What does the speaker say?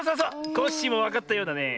コッシーもわかったようだねえ。